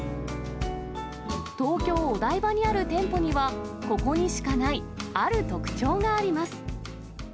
東京・お台場にある店舗には、ここにしかないある特徴があります。